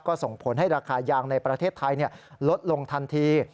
ก็ส่งผลให้ราคายางในประเทศไทยลดลงทันที